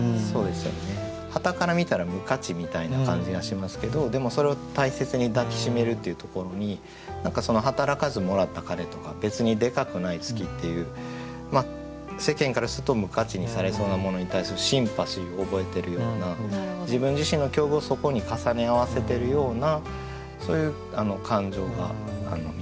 はたから見たら無価値みたいな感じがしますけどでもそれを大切に抱き締めるっていうところに「働かずもらった金」とか「別にデカくない月」っていう世間からすると無価値にされそうなものに対するシンパシーを覚えてるような自分自身の境遇をそこに重ね合わせてるようなそういう感情が見てとれて。